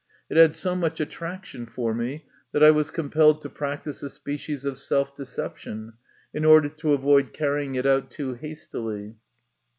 It had so much attraction for me that I was compelled to prac tise a species of self deception, in order to avoid carrying it out too hastily.